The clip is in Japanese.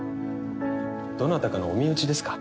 どなたかのお身内ですか？